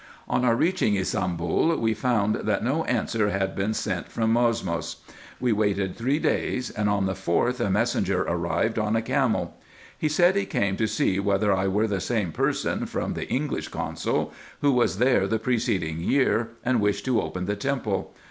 On our reaching Ybsambul we found that no answer had been sent from Mosmos. We waited three days, and on the fourth a messenger arrived on a camel. He said he came to see whether I were the same person, from the English consul, who was there the preceding year and wished to open the temple.